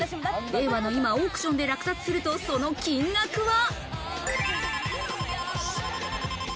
令和の今、オークションで落札すると、その金額は。